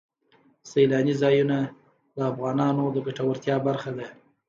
سیلانی ځایونه د افغانانو د ګټورتیا برخه ده.